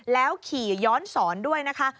แล้วขี่ย้อนสอนด้วยนะคะ